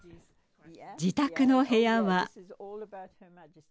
自宅の部屋は。